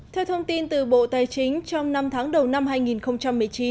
theo thông tin từ bộ tài chính trong năm tháng đầu năm hai nghìn một mươi chín